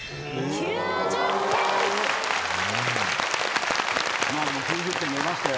９０点出ましたよ。